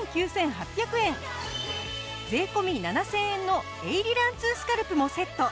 税込７０００円のエイリラン２スカルプもセット。